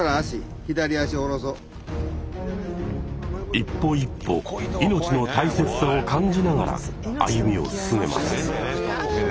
一歩一歩命の大切さを感じながら歩みを進めます。